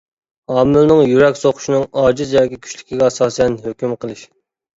ھامىلىنىڭ يۈرەك سوقۇشىنىڭ ئاجىز ياكى كۈچلۈكىگە ئاساسەن ھۆكۈم قىلىش.